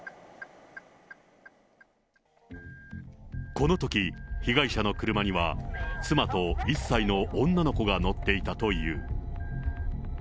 このとき、被害者の車には妻と１歳の女の子が乗っていたという。